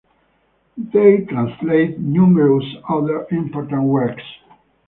They translate numerous other important works.